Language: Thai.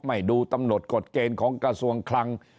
ดูกำหนดกฎเกณฑ์ของกระทรวงคลัง